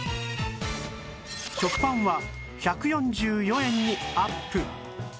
食パンは１４４円にアップ